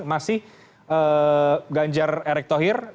masih ganjar erek tohir